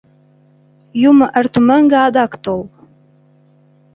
Юмо эртымӧҥгӧ адак тол.